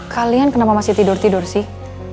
kalian kenapa masih tidur tidur sih